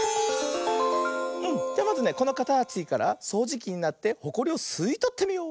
うんじゃまずねこのかたちからそうじきになってホコリをすいとってみよう。